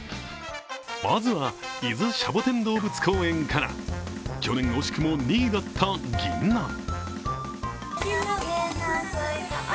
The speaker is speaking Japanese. まずは伊豆シャボテン動物公園から、去年、惜しくも２位だったギンナン。